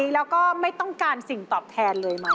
แล้วก็ไม่ต้องการสิ่งตอบแทนเลยมั้